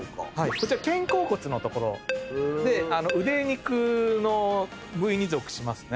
こちら肩甲骨の所でウデ肉の部位に属しますね。